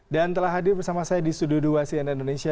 dan telah hadir bersama saya di studio dua cnn indonesia